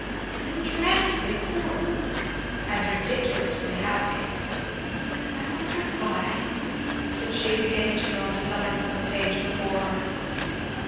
"And dreadfully poor!" "And ridiculously happy." "I wonder why?" said she, beginning to draw designs on the page before her.